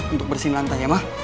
untuk bersihin lantai ya mah